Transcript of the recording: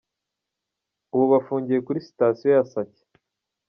Ubu bafungiye kuri sitasiyo ya Sake.